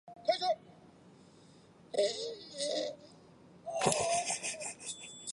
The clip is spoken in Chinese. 天命汗钱的钱文为老满文。